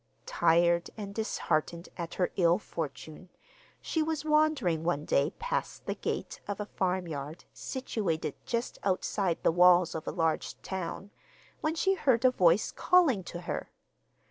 Tired and disheartened at her ill fortune, she was wandering, one day, past the gate of a farmyard, situated just outside the walls of a large town, when she heard a voice calling to her.